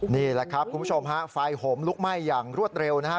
นี่แหละครับคุณผู้ชมฮะไฟโหมลุกไหม้อย่างรวดเร็วนะฮะ